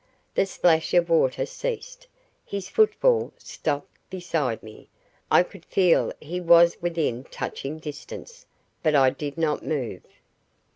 The splash of water ceased. His footfall stopped beside me. I could feel he was within touching distance, but I did not move.